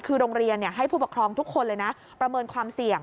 คือโรงเรียนให้ผู้ปกครองทุกคนเลยนะประเมินความเสี่ยง